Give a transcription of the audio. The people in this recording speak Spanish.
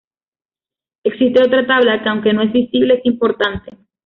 Existe otra tabla que aunque no es visible es importante.